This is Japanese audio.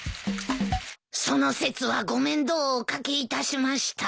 その節はご面倒をお掛けいたしました。